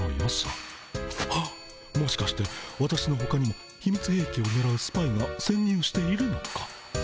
はっもしかして私のほかにもひみつへいきをねらうスパイがせん入しているのか？